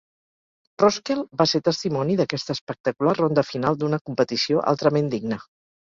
Roskell va ser testimoni d'aquesta espectacular ronda final d'una competició altrament digna.